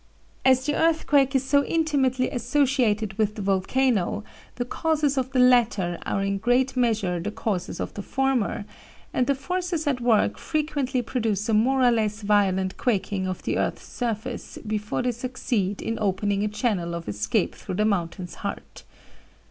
As the earthquake is so intimately associated with the volcano the causes of the latter are in great measure the causes of the former, and the forces at work frequently produce a more or less violent quaking of the earth's surface before they succeed in opening a channel of escape through the mountain's heart.